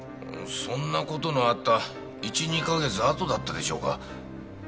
そんな事のあった１２か月あとだったでしょうか。